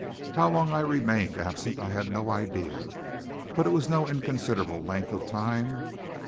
How long I remained absent I had no idea, but it was no inconsiderable length of time.